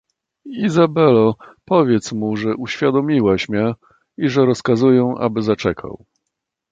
"Izabello, powiedz mu, że uwiadomiłaś mię i że rozkazuję aby zaczekał."